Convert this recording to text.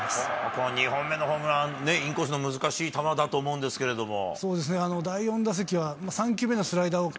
ここは２本目のホームラン、インコースの難しい球だと思うんですけれども。